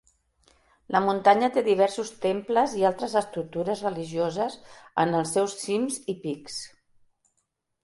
La muntanya té diversos temples i altres estructures religioses en els seus cims i pics.